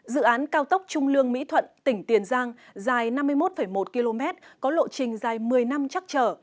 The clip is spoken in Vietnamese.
dự án cao tốc trung lương mỹ thuận tỉnh tiền giang dài năm mươi một một km có lộ trình dài một mươi năm chắc chở